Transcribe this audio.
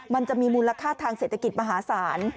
มันจะมีมูลค่าทางเศรษฐกิจมหาศาล